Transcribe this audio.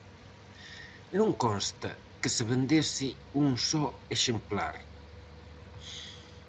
Non consta que se vendese un só exemplar.